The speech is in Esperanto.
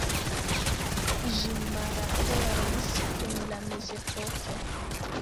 Ĝi malaperis kun la mezepoko.